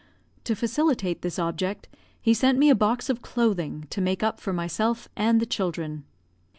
To facilitate this object, he sent me a box of clothing, to make up for myself and the children.